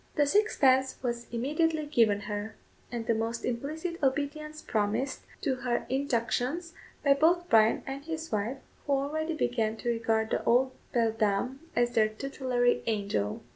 The sixpence was immediately given her, and the most implicit obedience promised to her injunctions by both Bryan and his wife, who already began to regard the old beldame as their tutelary angel.